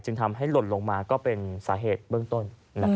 ทำให้หล่นลงมาก็เป็นสาเหตุเบื้องต้น